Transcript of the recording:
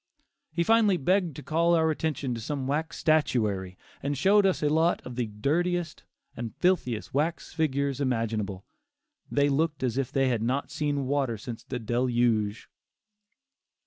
He finally begged to call our attention to some wax statuary, and showed us a lot of the dirtiest and filthiest wax figures imaginable. They looked as if they had not seen water since the Deluge.